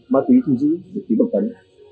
ma túy thu giữ được tí bậc tấn